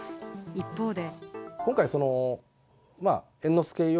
一方で。